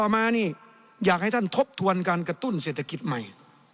มันกระตุ้นเศรษฐกิจใหม่